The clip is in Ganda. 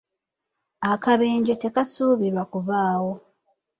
Akabenje tekasuubirwa kubaawo.